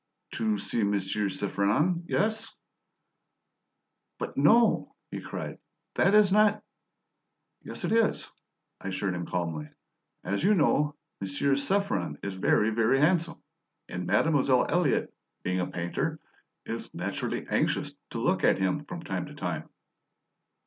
"To see Monsieur Saffren, yes." "But, no!" he cried. "That is not " "Yes, it is," I assured him calmly. "As you know, Monsieur Saffren is very, very handsome, and Mademoiselle Elliott, being a painter, is naturally anxious to look at him from time to time."